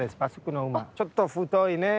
ちょっと太いね。